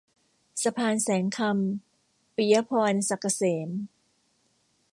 สะพานแสงคำ - ปิยะพร ศักดิ์เกษม